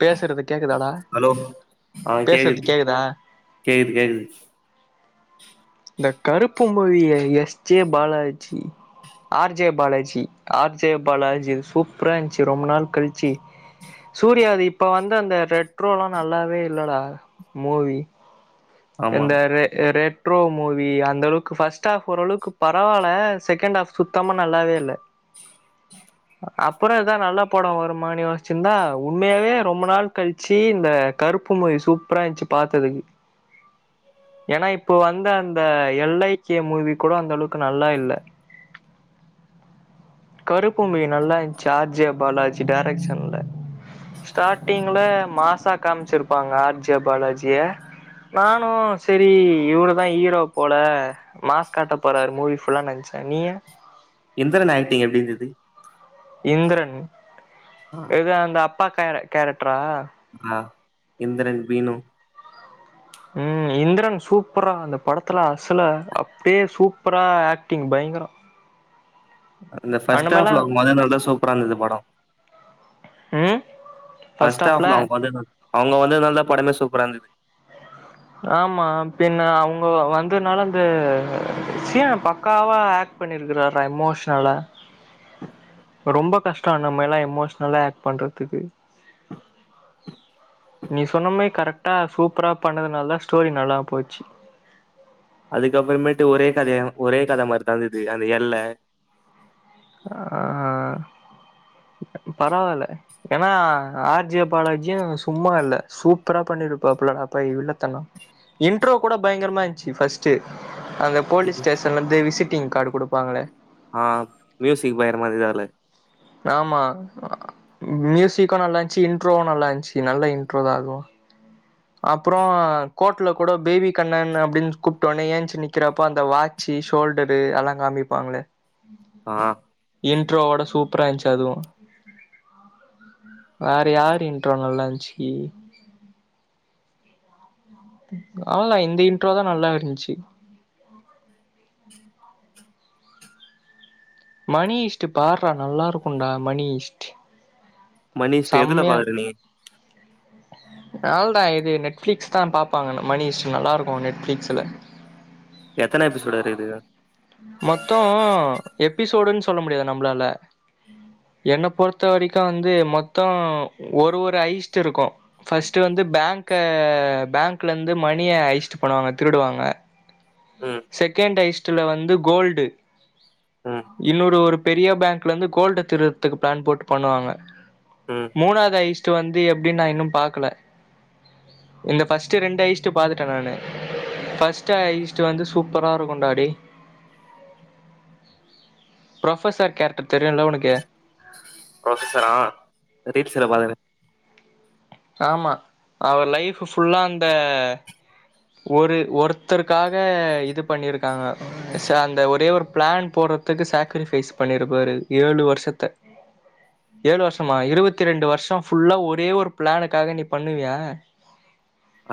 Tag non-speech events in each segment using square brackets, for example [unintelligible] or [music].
பேசுறது கேக்குதாடா ஹலோ பேசுறது கேக்குதா கேக்குது கேக்குது இந்த கருப்பு மொழிய S J Balaji R J Balaji R J Balaji சூப்பரா இருந்துச்சு ரொம்ப நாள் கழிச்சு சூர்யாது இப்ப வந்த அந்த ரெட் ரோல்லா நல்லாவே இல்லடா மூவி ஆம் இந்த ரெ ரெ ட்ரோ மூவி அந்த அளவுக்கு ஃபர்ஸ்ட் ஹாஃப் ஓரளவுக்கு பரவால்ல செகண்ட் ஹாஃப் சுத்தமா நல்லா இல்ல [inaudible] அப்றோ எதா நல்லா படோ வருமான்னு யோச்சுட்டு இருந்தா உண்மையாவே ரொம்ப நாள் க ழிச்சி இந்த கருப்பு மூவி சூப்பராந்துச்சு பாத்ததுக்கு ஏன்னா இப்போ வந்த அந்த எல் ஐ கே மூவி கூட அந்த அளவுக்கு நல்லா இல்ல கருப்பு மூவி நல்லாருந்துச்சா ஆ ர் ஜெ பாலாஜி டரக்க்ஷன்ல ஸ்டார்டிங்ல மாசா காமிச்சிருப்பாங்க ஆர் ஜே பாலாஜிய நான் ‌னு செரி இவருதான் ஈரோ போல மாஸ் காட்ட போறாரு மூவி ஃபுல்லா நெனச்சேன் நீங்க இந்திரன் ஆக்டிங் எப்டி இருந்து து இந்திரன் ஆ ஏது அந்த அப்பா கேர கேரக்டரா ஆஹ் இந்திரன் பீனு ம் இந்திரன் சூப்பர் ரா அந்த படத்தில அசல அப்டியே சூப்பரா ஆக்டிங் பயங்கர [inaudible] அந்த பஸ் ஸ்டாப்ல [unintelligible] சூப்பரா இருந்தது படம் ம் ஃபர்ஸ்ட் பஸ்ட் ஆப் ஹாஃப்ல அவங்க வந்து அவங்க வந்து டா படமே சூப்பரா இருந்தது ஆமா பின்ன அவங்க வந்ததுனால அந்த சீன பக்காவா ஆக் பண்ணிருக்கிறா எமோஷனலா ரொம்ப கஷ்ட நம்ம எல்லா எமோஷ்னலா ஆக்ட் பண்ணுறதுக்கு நீ சொன்னமாரி கரெக்டாக சூப்பராக பண்ணதுனால தா ஸ்டோரி நல்லா போச்சு அதுக்கப்பறமேட்டு ஒரே கதையா ஒரே கத மாறிதா இருந்தது அந்த எல்ல ஆஹ் பரவாயில்ல ஏன்னா ஆர் ஜே பாலாஜியு சும்மா இல்ல சூப்பரா பண்ணிருப்பாபல அப்பா வில்லத்தன இன்ட்ரோ கூட பயங்கரமா இருந்துச்சு ஃபஸ்ட்டு அந்த போலீஸ் ஸ்டேஷன்ல இருந்து விசிட்டிங் கார்டு கொடுப்பாங்களே ஆஹ் மியூச் பாயிர மாறி எதால ஆமா மியூசுக்கு நல்லா இருந்துச்சு இன்ட்ரோவு நல்லா இருந்துச்சு நல்ல இன்ட்ரோ தா அதுவும் அப்றோ கோர்ல கூட பேபி கண்ணன் அப்டின்னு கூப்டோனே ஏச்சு நிக்கிறப்ப அந்த வா சி ஷோல்டரு ‌அத காமிப்பாங்களே ஆஹ் இன்ட்ரோவோட சூப்பரா இருந்துச்சு அதுவு வேற யாரு இன்றோ நல்லா இருந்துச்சு அவளதானா இந்த இன்ட்ரோ தா நல்லா இருந்துச்சு மணி ஈஸ்ட்டு பார்றா நல்லாருக்கும்டா மணி ஈஸ்ட் மணிஷ்ட எதுல செம்மையா பாக்கரா நீ [unintelligible] இது நெட்ஃபிளிக்ஸ் தா பாப்பாங்கன்ன மணி ஈஸ்ட் நல்லா இருக்கு நெட்ஃபிளிக்ஸ்ல எத்தன எபிசோட் இருக்குது மொத்தோ எபிசோடுன்னு சொல்ல முடியாது நம்மளால என்ன பொறுத்த வரைக்கு வந்து மொத்தோ ஒரு ஒரு ஐஸ்ட்டு இருக்கு ஃபர்ஸ்ட்டு வந்து பேங்க பேங்க்லேருந்து மணிய அய்ச்ச்டு பண்ணுவாங்க திருடுவாங்க ம் செகண்ட் ஐஸ்டுல வந்து கோல்டு ம் இன்னொரு ஒரு பெரிய போங்க்ல இருந்து கோல்டுடா திருடரத்துக்கு பிளான் போட்டு பண்ணுவாங்க ம் மூணாவது ஐஸ்ட்டு வந்து எப்டின்னு நா இன்னு பாக்கல இந்த ஃபஸ்ட்டு ரெண்டு ஐஸ்டூ பாத்துட்டே நானு ஃபஸ்ட்டு ஐஸ்டு வந்து சூப்பரா இருக்குன்டா டேய் ப்ரொபசர் கேரக்டர் தெரியுல உனக்கு ப்ரொஃபசார ரீட் செலவு வர்றாரு ஆமா அவர் லைஃபு ஃபுல்லா அந்த ஒரு ஒருத்தருக்காக இதுப் பண்ணியிருக்காங்க சா அந்த ஒரே ஒரு பிளான் போடுறதுக்கு சாக்ரிஃபைஸ் பண்ணிருப்பாரு ஏழு வருஷத்தா ஏழு வருஷமா இருவத்தி ரெண்டு வருஷம் புஃல்லா ஒரே ஒரு பிளானுக்காக நீ பண்ணுவியா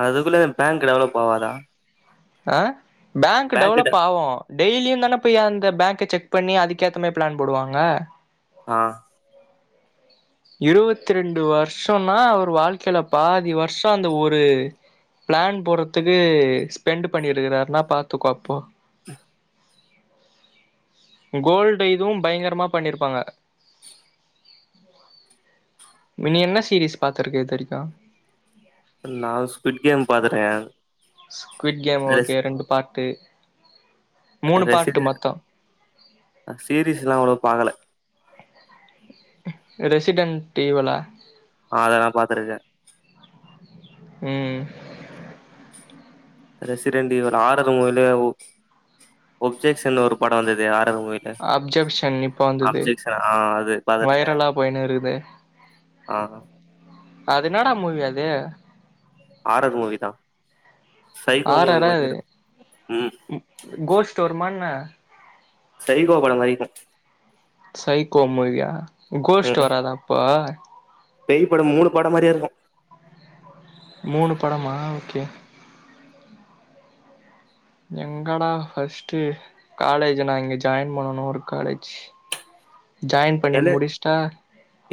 அதுக்குள்ள போங்க் டெவலப் ஆவாதா ஆ பேங்க் டெவலப் ஆகு டெய்லியு தானே பையா அந்த பேக்க செக் பண்ணி அதுக்கேத்த மாரி பிளான் போடுவாங்க ஆ இருவத்திரெண்டு வருஷன்னா அவரு வாழ்க்கையில பாதி வருஷ்சோ அந்த ஒரு ப்ளன் போடுற்துக்கு ஸ்பெண்ட்டு பண்ணியிருக்கறாருன்னா பாத்துக்கோ அப்போ ம் கோல்டு இதுவு பயங்கரமாக பண்ணிருப்பாங்க மினி என்ன சீரீஸ் பாத்திருக்க இது வரைக்கு நா அது ஸ்பீட் கேம் பாத்துடோ ஸ்குவிட் கேம் ஓகே ரெண்டு பாட்டு ரசிதா சீரீஸ்லா அவ்ளோ பாக்கல ரெசிடென்ட்டி வேல அதெல்லா பாத்திருக்கே ம் ரெசிடண்ட் ஈவல் ஹாரர் மூவிலே ஒ ஒப்ஜெக்ஷன் ஒரு படோ வந்தது ஹாரர் மூவி அப்ஜெக்ஷ்ஷன் இப்ப வந்தது ஆ அது பாத்துருக்கே வைரலா போயினு இருக்குது ஆ அது என்னடா மூவி அது ஹாரது மூவி தா சைகோ மூவி மாரி இருக்கு ம் கோஸ்டு வருமா என்ன சய்கோ படம் மாரி இருக்கு சைக்கோ மூவியா கோஷ்ட் வராத அப்ப பெய்ப் படம் மூனு படம் மாரியே இருகு மூணு படமா ஓகே எங்கடா ஃபஸ்ட்டு காலேஜ் நா இங்கே ஜாயின் பண்ணணு ஒரு காலேஜ் ஜாயின் பண்ணி எல முடிசுட்டா,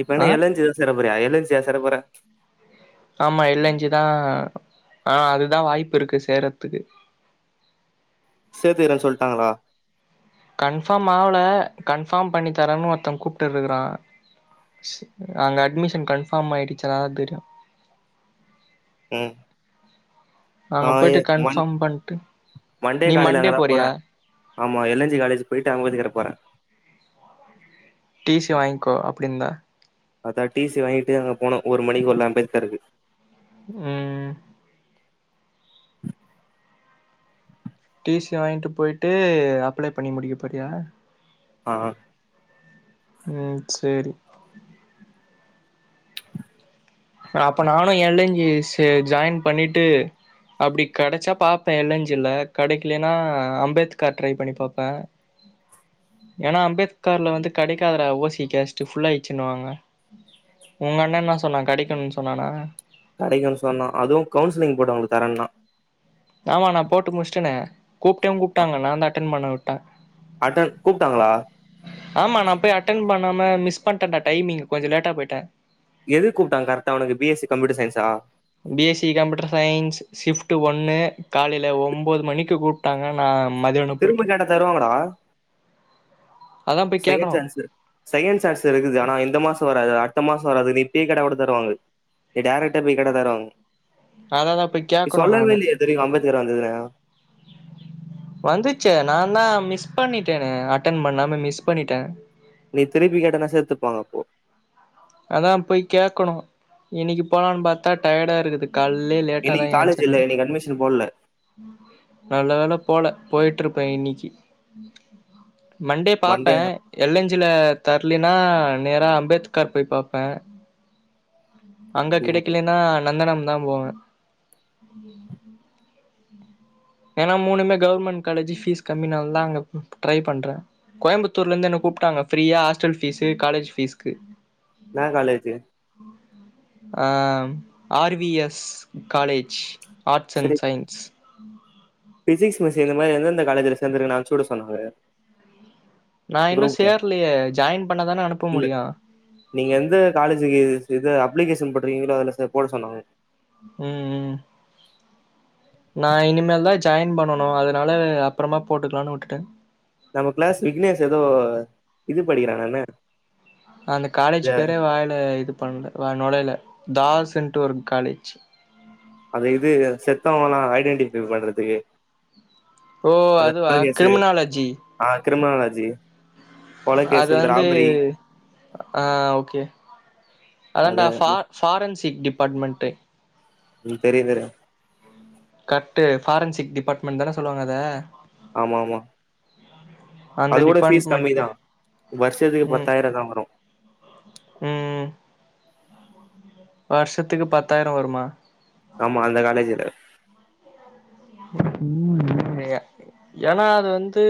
இப்ப அ என்ன எல் என் ஜி தா சேர போறியா எதுல் சே சேர போற ஆமா எள்ளஞ்சுதா ஆ அதுதா வாய்ப்பு இருக்கு சேரத்துக்கு சேத்துக்ரேன்னு சொல்ட்டாங்ளா கன்ஃபார்ம் ஆவ்ல கன்ஃபார்ம் பண்ணி தரேன்னு ஒருத்த கூப்ட்டுட்டு இருக்கறா ஸ் அங்க அட்மிஷன் கன்ஃபார்ம் ஆயிடுச்சா டா தெரியு ம் அங்க ஆ ஏ போயிட்டு மண் கன்ஃபார்ம் பண்ட்டு மண்டே நீ காலைல அங்கதா போறியா போறே ஆமா எல் என் ஜி காலேஜ் போய்ட்டு அமிஞ்சிகர போற டி சி வாங்கிக்கோ அப்டிந்தா அதா டிசி வாங்கிட்டு அங்க போனோ ஒரு மணிக்குக்குள்ள அம்பேத்காருக்கு ம் டிசி வாங்கிட்டு போய்ட்டு அப்ளை பண்ணி முடிக்க போறியா ஆ ம் சேரி அப்ப நானு என்ல்ல்ச ஜாயின் பண்ணிட்டு அப்படி கிடைச்சா பாப்பேன் இலஞ்சிலா கிடைக்கலேன்னா அம்பேத்கார் ட்ரைவ் பண்ணி பாப்பேன் [unintelligible] ஏன்னா அம்பேத்கர்ல வந்து கெடைகதுடா ஓசிக்க கேஸ்டு ஃபுல்ல ஆச்சுன்னுவாங்க உங்க அண்ணா என்ன சொன்னா கடைக்கணும்னு சொன்னானா கிடைக்கும்ன்னு சொன்னா அதுவு கவுசிலிங் போட்டகளுக்கு தரேனா ஆமா நா போட்டு முடிச்சுட்டேனே கூப்பிட்டே கூப்பிட்டாங்க நா தா அட்டென் பண்ண விட்டே அது கூப்படாங்கல ஆமா நா போய் அட்டென் பண்ணாம மிஸ் பண்ணிட்டே டா டைமிங்க கொஞ்சோ லேட்டா போயிட்டே எதுக்கு கூப்பிட்டான்ங்கா கரக்ட உனக்கு பிஎஸ்ச கம்ப்யூர் சய்ன்ஸா B. SC computer science shift ஒன்னு காலைல ஒம்போது மணிக்கு கூப் போட்டாங்க நா மதயானோ திரும்ப போயிட்டே கேட்டா தருவாங்கடா அதா போய் செகண்ட் கேக்கணு சான்ஸு செகண்ட் சான்ஸுஸ் இருக்குது ஆனா இந்த மாசம் வராது அடுத்த மாசோ வராது நீப்பயே கேட்டா கூட தருவாங்க நீ டேராக்டா போய் கேட்டா தருவாங்க அததா போய் நீ கேக்கணு சொல்லவே நானு இல்லயே தெரியு அம்பேத்கார் வந்ததுனு [unintelligible] வந்துச்சே நான தான் மிஸ் பண்ணிட்டேனே அட்டன் பண்ணாம மிஸ் பண்ணிட்டே நீ திருப்பி கேட்டனாக்க சேத்துப்பாங்க அப்போ அதான் போய் கேட்கணு இன்னைக்கு போலான்னு பாத்தா டயடா இருக்குது கால்லே லேட்டா தா இன்னைக்கு காலேஜ் ஏச்சுன்னு இல்ல இன்னைக்கு அட்மிஷன் போடல நல்ல வேல போல போயிட்டுருப்பே இன்னீக்கி மண்டே பாப்பே எள்ளஞ்சில தர்லீனா நேரா அம்பேத்கர் போய் பாப்பே அங்க ம் கெடிக்கலன்னா நந்தனம் தா போவே [unintelligible] ஏன்னா மூணுமே கவர்மெண்ட் காலேஜ் ஃபீஸ் கம்மினால தா அங்க ட்ரை பண்றே கோயம்புத்தூர்ல இருந்து என்ன கூப்பிட்டாங்க என்ன கூப்ட்டாங்க ஹாஸ்டல் ஃபீஸுஅ காலேஜ் ஃபீஸ்கு என்னா காலேஜு ஆ R V S college arts and science physics miss இந்த மாதிரி எந்த எந்த காலேஜல சேந்துங்குறன்னு அன்ப்ச்வுட சொன்னாங்க நா இன்னு குரூப்ல சேர்லையே ஜாயின் பண்ணதான அனுப்ப முடியு நீ எந்த காலேஜுக்கு இத அப்ளிகேஷன் போட்டுருக்கீங்களோ அதுல போட சொன்னாங்க ம் ம் நா இனிமேல் தா ஜாயின் பண்ணனு அத்னால அப்பறமா போட்டுக்கலான்னு வுட்டே நம்ம க்ளாஸ் விக்னேஷ் எதோ இது படிக்கிறானா மே அந்த காலேஜ் பேரே வாயில இது பண்ணல நொழைல தாஸ்ன்ட்டு ஒரு காலேஜ் அந்த இது செத்தவங்க‌ல்லா ஐடென்டிஃபை பண்றதுக்கு ஓ அநத அதுவா கொல் கேஸ்சு கிரிமினாலஜி ஆ கிரிமானாலாஜி அது வந்து ஆ ஓகே அத அதான்டா ஃபார் ஃபாரன்சிக் டிபார்ட்மண்ட்டு ம் தெரியு தெரியு கர்ட்டு ஃபாரன்சிக் டிபார்ட்மெண்ட் தான சொல்வாங்க அத ஆமா ஆமா அந்த அதுவோட ஃபீஸ் டிபார்ட்மெண்ட் கம்மி தா வருஷத்துக்கு ம் பத்தாயிரதா வரு ம் வருஷத்துக்கு பத்தாயிர வருமா ஆமா அந்த காலேஜ்ஜு ல ஏனா அது வந்து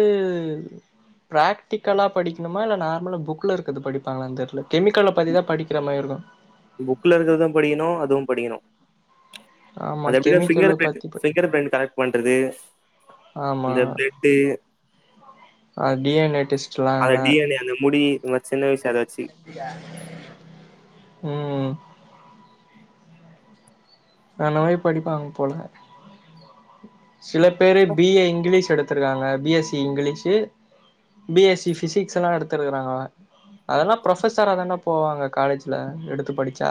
பிராக்டிக்கலா படிக்கணுமா இல்ல நார்மலா புக்குல இருக்கத படிப்பாங்களா தெரில கெமிக்கல்ல பத்தி தா படிக்கிற மாதிரி இருக்கு புக்ல இருக்கிறது படிக்கணு அதுவு படிக்கணு ஆமா அது எப்டினா ஃபிங்கர் கெமிக்கல பிரிண்ட் பத்தி ப ஃபிங்கர் பிரிண்ட் கனட் பண்றது ஆமா இந்த ப்ளட்டு டி என் ஏ டெஸ்ட்லா அந்த அதலா டி என் யே அந்த முடி இந்த மார் சின்ன வயசுல அத வெச்சி ம் நல்லவே படிப்பாங்க போல சில பேரு பிஏ இங்கிலீஷ் எடுத்து இருக்காங்க B S C English BSc physics எல்லா எடுத்திருக்கிறாங்க அதெல்லா ப்ரொபஸராக தாடா போவாங்க காலேஜ்ல எடுத்து படிச்சா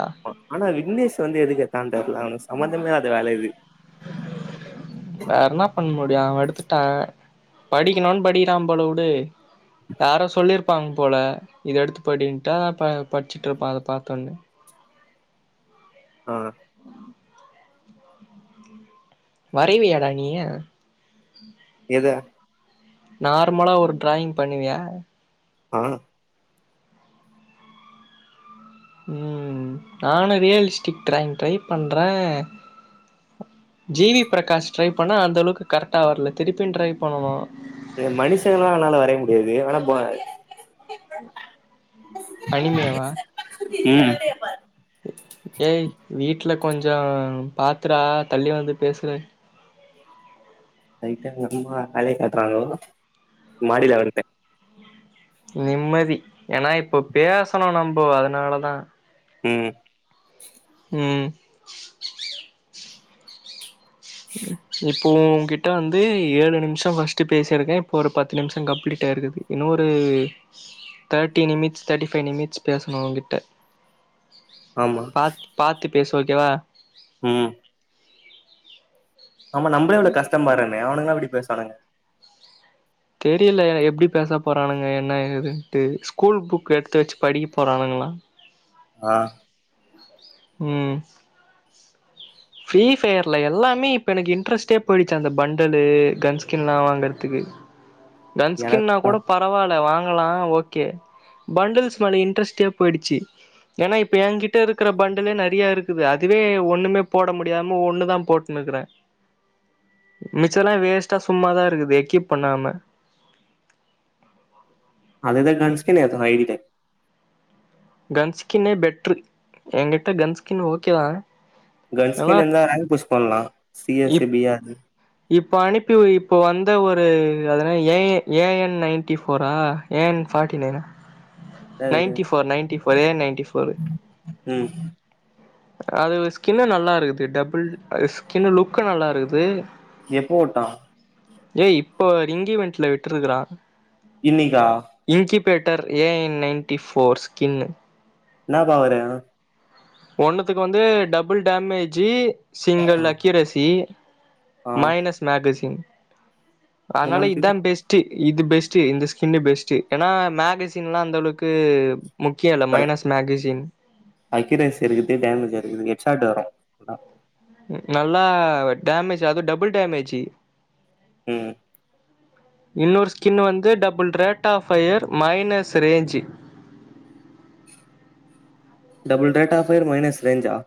ஆனா விக்னேஷ் வந்து எதுக்கு எத்தானு தெரியல அவனுக்கு சம்பந்தமேல இல்லத வேல தா இது [unintelligible] வேற என்னா பண்ண முடியு அவன் எடுத்துட்டா படிக்கணும்னு படிக்கிறா போல விடு யாரோ சொல்லிருப் ப்பாங்க போல இத எடுத்து படின்டா ப படிச்சுட்டு இருப்பா அத பாத்தோனா ஆ வரைவியாடா நீயி எத நார்மலா ஒரு டிராயிங் பண்ணுவியா ஆ ம் நானு ரியல்ஸ்டிக் டிராயிங் ட்ரை பண்ணுறே ஜிவி பிரகாஷ் ட்ரை பண்ண அந்த அளவுக்கு கரெக்டா வரல திருப்பின்னு ட்ரை பண்ணனு இத மனுஷங்களா அதனால வரைய முடியாது ஆனா [unintelligible] அணிமே வ ம் ஏய் வீட்டுல கொஞ்சோ பாத்துறா தள்ளி வந்து பேசு லைட்டா எங்க அம்மா வேலய காட்டுறாங்களோ மாடில வந்துட்டே நிம்மதி ஏன்னா இப்போ பேசணு நம்ம அதனாலதா ம் ம் இப்போ உக்கிட்ட வந்து ஏழு நிமிஷம் ஃபர்ஸ்ட்ட பேசியிருக்கே இப்போ ஒரு பத்து நிமிஷம் கம்ப்ளீட் ஆயிருக்குது இன்னொரு thirty minutes thirty five minutes பேசணு உவ்கிட்ட ஆமா பாத் பாத்து பேசு ஓகேவா ம் ஆமா நம்பளே இவ்ளோ கஷ்ட பாருமே அவனுங்களா எப்படி பேசுவனாங்க தெரியல எப்டி பேச போகறானுங்க என்ன ஏதுன்ட்டு ஸ்கூல் புக் எடுத்து வச்சு படிக்க போறானுங்களா ஆ ம் ஃப்ரீ ஃபயர்ல எல்லாமே இப்போ எனக்கு இன்ட்ரெஸ்ட்டே போயிடுச்சு அந்த பண்டலு கன்ஸ்கின்லா வாங்கறதுக்கு கன்ஸ்கின்னா எனக்கு கூட பரவாயில வாங்கலா ஓகே பண்டல்ஸ் மேல இன்ட்ரெஸ்டே போயிடுச்சு ஏன்னா இப்ப என்கிட்ட இருக்கிற பண்டலே நிறையா இருக்குது அதுவே ஒண்ணுமே போட முடியாம ஒண்ணு தா போட்டுன்னுக்கிறே மிச்ச எல்லா வேஸ்ட்டா சும்மாதா இருக்குது ஏ கீப் பண்ணாம [unintelligible] கன்ஸ்கே ஐடி டைக் கன்ஸ்கின்னே பெட்ரு எங்கிட்ட கன் ஸ்கின் ஓகேவா கன்ஸ்கின்ருந்தா ரேங்க் புஷ் பண்ணலா சி எஸ் சி இப் பி ஆருனு இப்ப அனுப்பி உ இப்ப வந்த ஒரு அதுன என்ன A I A I N ninety ஃபோரா ஏ என் ஃபாட்டி நைனா என்னது ninety four ninety four A N ninety four ம் அது ஸ்கின்னு நல்லாருக்குது டபுள் ஸ்கின்னு லுக்கு நல்லாருக்குது எப்போட்டா ஏய் இப்போ ரிங்கீவன்ட்ல விட்டுருக்குறா இன்னிக்கா incubator A I N ninety four skin இன்னாப்பா வெறையனு ஒண்ணுத்துக்கு வந்து டபுள் டேமேஜி சிங்கள் அக்கியூரசி ஆ மைனஸ் மேகசி அதனால என்னோன் தெர்ல இதா பெஸ் ட்டு இது பெஸ்ட்டு இந்த ஸ்கின்னு பெஸ்ட்டு எனா மேகசின்லா அந்தளவுக்கு முக்கியல்ல மைனஸ் மேகசின் அக்கியூரசி இருக்குது டேமேஜ்ருக்குது எட்ஷாட் வரு ம் நல்லா டேமேஜி அதும் டபுள் டேமேஜி ம் இன்னோர் ஸ்கின்னு வந்து double rate of fire minus range double data fire minus ரேஞ்சா